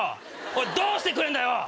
これどうしてくれんだよ！